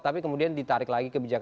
tapi kemudian ditarik lagi kebijakan